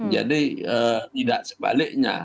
jadi tidak sebaliknya